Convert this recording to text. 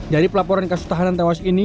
dari pelaporan kasus tahanan tewas ini